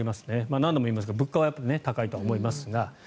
何度も言いますが物価は高いと思いますが。